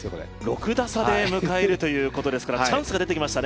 ６打差で迎えるということですからチャンスが出てきましたね。